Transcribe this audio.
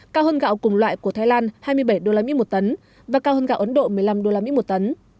cao hơn gạo cùng loại của thái lan hai mươi bảy usd một tấn và cao hơn gạo ấn độ một mươi năm usd một tấn